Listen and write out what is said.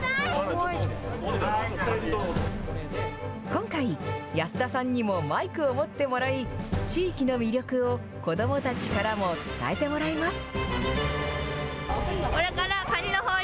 今回、安田さんにもマイクを持ってもらい、地域の魅力を子どもたちからも伝えてもらいます。